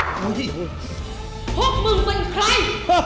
พวกมึงเป็นใคร